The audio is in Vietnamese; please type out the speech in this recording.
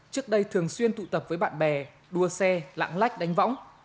trước đây thường xuyên tụ tập với bạn bè đua xe lạng lách đánh võng